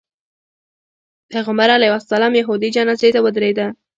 پیغمبر علیه السلام یهودي جنازې ته ودرېده.